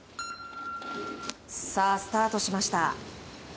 スタートしました。